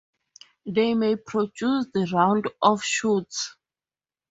They may produce round offshoots.